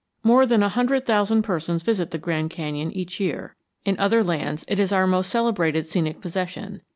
More than a hundred thousand persons visit the Grand Canyon each year. In other lands it is our most celebrated scenic possession.